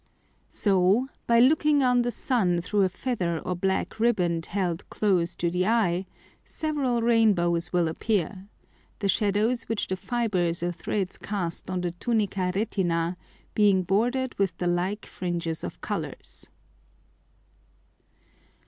[Illustration: FIG. 1.] [Illustration: FIG. 2.] So by looking on the Sun through a Feather or black Ribband held close to the Eye, several Rain bows will appear; the Shadows which the Fibres or Threds cast on the Tunica Retina, being border'd with the like Fringes of Colours.